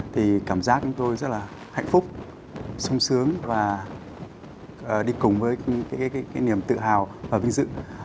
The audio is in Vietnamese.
thì cảm giác chúng tôi rất là hạnh phúc sung sướng và đi cùng với niềm tự hào và vinh dự